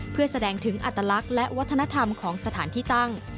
เพื่อแสดงถึงอัตลักษณ์และวัฒนธรรมของสถานที่ตั้ง